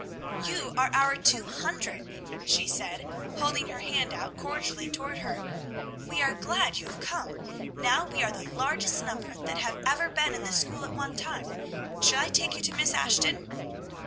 "You are our two hundredth!" she said, holding her hand out cordially toward her. "We are glad you have come! Now we are the largest number that have ever been in this school at one time. Shall I take you to Miss Ashton?"